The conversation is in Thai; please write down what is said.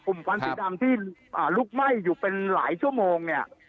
ควันสีดำที่ลุกไหม้อยู่เป็นหลายชั่วโมงเนี่ย